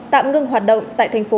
tạm ngưng hoạt động tại tp hcm